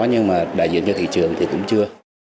nhưng mà đại diện cho thị trường thì cũng chưa